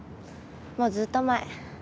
もうずっと前。